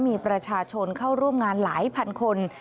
มีประชาชนเข้าร่วมงานหลายพันคน